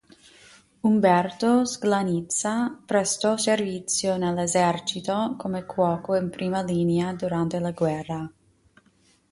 Umberto Sclanizza prestò servizio nell'esercito come cuoco in prima linea durante la guerra.